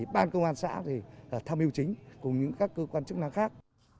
ban công an xã tham hiu chính cùng các cơ quan chức năng khác